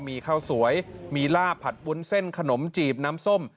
มีข้าวสวยมีล่าผัดวุ้นเส้นขนมจีบน้ำส้ม